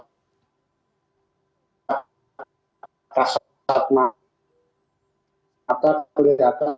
terlihat ada berbeda